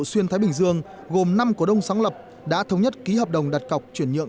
xuyên thái bình dương gồm năm cổ đông sáng lập đã thống nhất ký hợp đồng đặt cọc chuyển nhượng